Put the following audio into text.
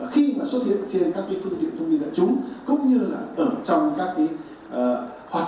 khi xuất hiện trên các phương tiện thông tin đại chúng cũng như là ở trong các hoạt động